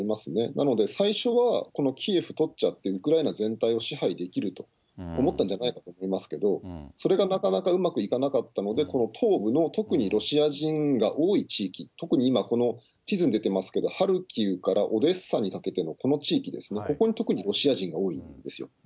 なので、最初はこのキーウとっちゃってウクライナ全体を支配できると思ったんじゃないかと思いますけど、それがなかなかうまくいかなかったので、東部の特にロシア人が多い地域、特に今、この地図に出てますけれども、ハルキウからオデッサにかけてのこの地域ですね、ここは特にロシア人が多いんですよ。